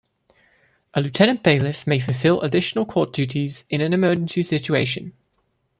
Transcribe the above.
A Lieutenant Bailiff may fulfil additional court duties in an emergency situation.